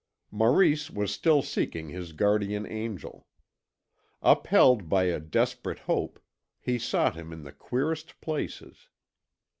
Maurice was still seeking his guardian angel. Upheld by a desperate hope, he sought him in the queerest places.